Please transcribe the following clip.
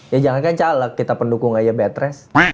ya jangankan caleg kita pendukung aja bed rest